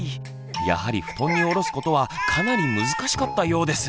やはり布団に下ろすことはかなり難しかったようです！